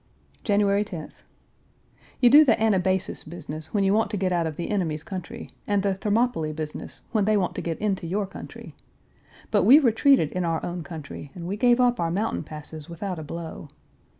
January 10th. You do the Anabasis business when you want to get out of the enemy's country, and the Thermopylae business when they want to get into your country. But we retreated in our own country and we gave up our mountain passes without a blow.